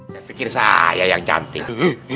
cantikin saya yang cantik